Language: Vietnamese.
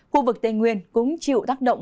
khu vực tây nguyên cũng chịu tác động